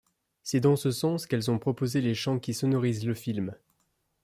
C’est dans ce sens qu’elles ont proposé les chants qui sonorisent le film.